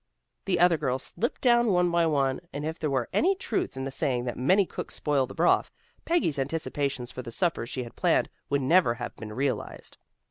The other girls slipped down one by one, and if there were any truth in the saying that many cooks spoil the broth, Peggy's anticipations for the supper she had planned, would never have been realized.